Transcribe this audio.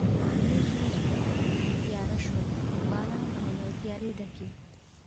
ډېر ژر تېاره شول، باران او له تیارې ډکې.